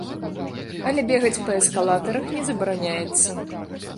Але бегаць па эскалатарах не забараняецца.